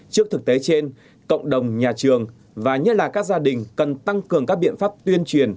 trước thực tế trên cộng đồng nhà trường và nhất là các gia đình cần tăng cường các biện pháp tuyên truyền